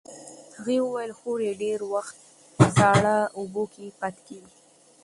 هغې وویل خور یې ډېر وخت په ساړه اوبو کې پاتې کېږي.